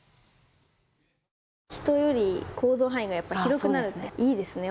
人より行動範囲がやっぱり広くなるっていいですね。